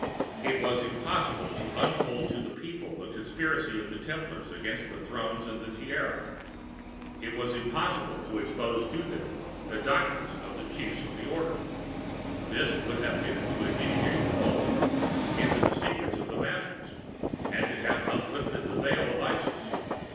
"It was impossible to unfold to the people the conspiracy of the Templars against the Thrones and the Tiara. It was impossible to expose to them the doctrines of the Chiefs of the Order. [This would have been to initiate the multitude into the secrets of the Masters, and to have uplifted the veil of Isis.